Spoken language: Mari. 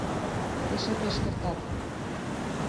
Эше пеш кертат...